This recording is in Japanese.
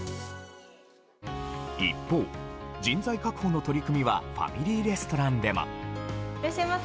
一方、人材確保の取り組みはファミリーレストランでも。